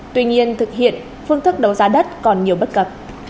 tuy nhiên thực hiện phương thức đấu giá đất còn nhiều bất cập